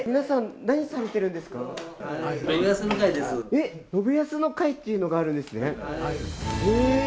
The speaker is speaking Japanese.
えっ信康の会っていうのがあるんですね。